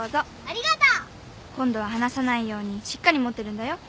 ありがとう！今度は離さないようにしっかり持ってるんだよ。